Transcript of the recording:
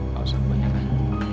masuk gue nyaman